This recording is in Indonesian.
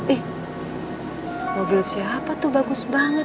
ih mobil siapa tuh bagus banget